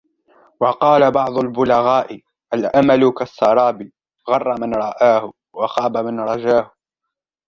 وَقَالَ بَعْضُ الْبُلَغَاءِ الْأَمَلُ كَالسَّرَابِ غَرَّ مَنْ رَآهُ ، وَخَابَ مَنْ رَجَاهُ